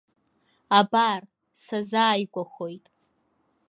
Абар, сазааигәахоит.